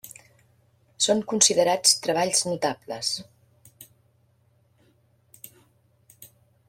Són considerats treballs notables.